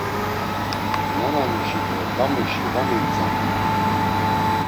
Nanamuşi do damuşi va nintzamt̆u.